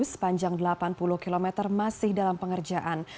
sepanjang delapan puluh km masih dalam pengerjaan